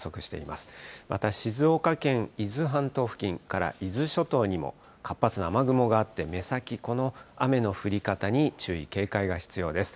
また静岡県、伊豆半島付近から伊豆諸島にも活発な雨雲があって、目先、この雨の降り方に注意、警戒が必要です。